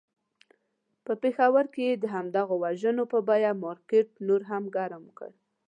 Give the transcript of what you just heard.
په پېښور کې یې د همدغو وژنو په بیه مارکېټ نور هم ګرم کړ.